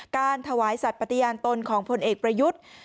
การถวายสัตว์ปฏิญาณตนของพลเอกประยุทธ์